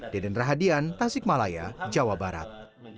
deden rahadian tasik malaya jawa barat